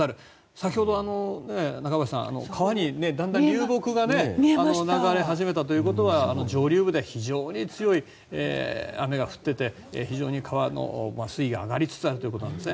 先ほど、中林さん川にだんだん流木が流れ始めたということは上流部で非常に強い雨が降っていて非常に川の水位が上がりつつあるということなんですね。